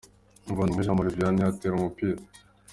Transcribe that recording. Muvandimwe Jean Marie Vianney atera umupira.